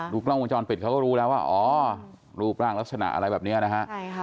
กล้องวงจรปิดเขาก็รู้แล้วว่าอ๋อรูปร่างลักษณะอะไรแบบนี้นะฮะ